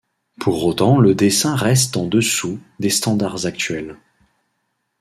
Pour autant le dessin reste en dessous des standards actuels.